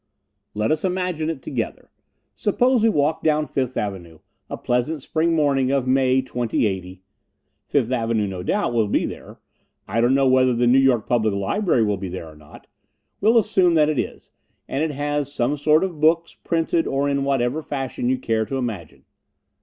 Let us imagine it together. Suppose we walk down Fifth Avenue, a pleasant spring morning of May, 2080. Fifth Avenue, no doubt, will be there. I don't know whether the New York Public Library will be there or not. We'll assume that it is, and that it has some sort of books, printed, or in whatever fashion you care to imagine.